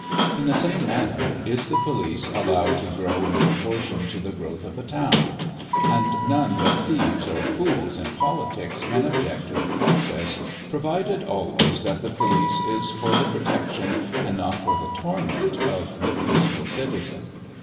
In the same manner, is the police allowed to grow in proportion to the growth of a town; and none but thieves or fools in politics can object to the process, provided always that the police is for the protection and not for the torment of the peaceful citizen.